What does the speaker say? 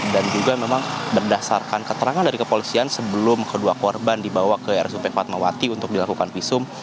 dan juga memang berdasarkan keterangan dari kepolisian sebelum kedua korban dibawa ke rsup fatmawati untuk dilakukan visum